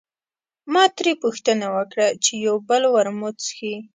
ما ترې پوښتنه وکړه چې یو بل ورموت څښې.